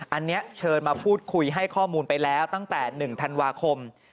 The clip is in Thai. อันนี้เชิญมาพูดคุยให้ข้อมูลไปแล้วตั้งแต่๑ธันวาคม